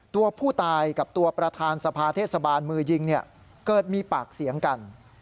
ตัวผู้ตายกับตัวประธานสภาเทศบาลมือยิงเนี่ยเกิดมีปากเสียงกัน